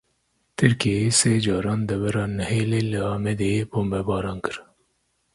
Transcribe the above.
Tirkiyeyê sê caran devera Nihêlê li Amêdiyê bombebaran kir.